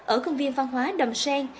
ở công viên văn hóa đầm sen